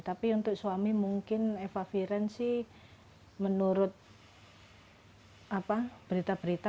tapi untuk suami mungkin evavirenz menurut berita berita